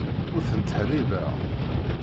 Ur ten-ttḥeṛṛibeɣ.